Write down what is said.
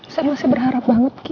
saya masih berharap banget